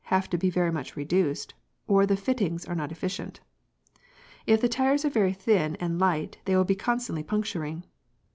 have to be very much reduced, or the fittings are not efficient. If the tyres are very thin and light they will be constantly puncturing.